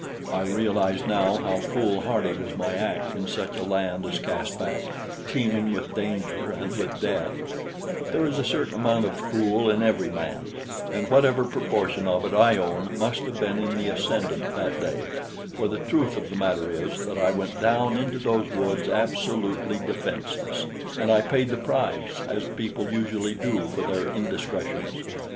I realize now how foolhardy was my act in such a land as Caspak, teeming with danger and with death; but there is a certain amount of fool in every man; and whatever proportion of it I own must have been in the ascendant that day, for the truth of the matter is that I went down into those woods absolutely defenseless; and I paid the price, as people usually do for their indiscretions.